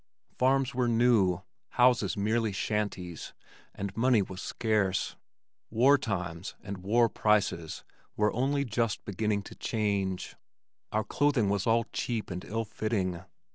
Farms were new, houses were mere shanties, and money was scarce. "War times" and "war prices" were only just beginning to change. Our clothing was all cheap and ill fitting.